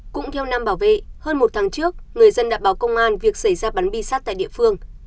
cũng theo năm bảo vệ hơn một tháng trước người dân đã báo công an việc xảy ra bắn bi sát tại địa phương